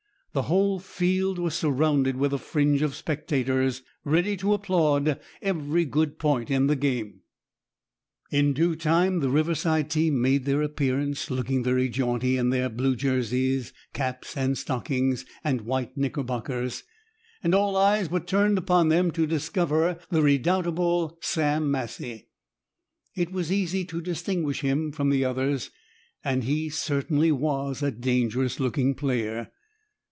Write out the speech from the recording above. The whole field was surrounded with a fringe of spectators, ready to applaud every good point in the game. In due time the Riverside team made their appearance, looking very jaunty in their blue jerseys, caps, and stockings, and white knickerbockers, and all eyes were turned upon them to discover the redoubtable Sam Massie. It was easy to distinguish him from the others, and he certainly was a dangerous looking player.